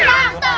ya ampun pak